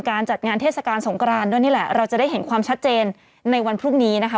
การจัดงานเทศกาลสงกรานด้วยนี่แหละเราจะได้เห็นความชัดเจนในวันพรุ่งนี้นะคะ